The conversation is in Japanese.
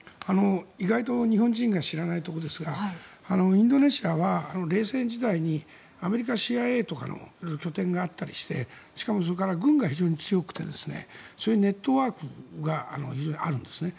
意外と日本人が知らないところですがインドネシアは冷戦時代にアメリカＣＩＡとかの拠点があったりしてしかも、軍が強かったりしてそういうネットワークが非常にあるんですね。